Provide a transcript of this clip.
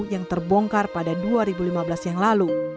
yang terbongkar pada dua ribu lima belas